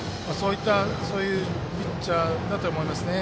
そういうピッチャーだと思います。